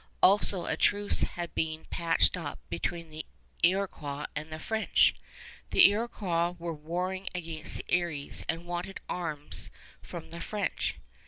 Also a truce had been patched up between the Iroquois and the French. The Iroquois were warring against the Eries and wanted arms from the French.